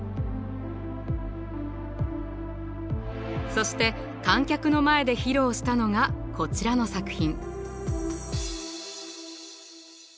そして観客の前で披露したのがこちらの作品。